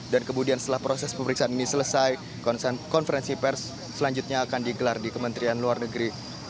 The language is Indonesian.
dan kemudian setelah proses pemeriksaan ini selesai konferensi pers selanjutnya akan digelar di kementerian luar negeri